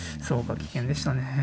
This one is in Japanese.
そうか危険でしたね。